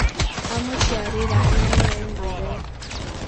Amuchi arir ak inye eng rirek